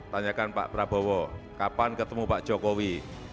tanyakan pak prabowo kapan ketemu pak jokowi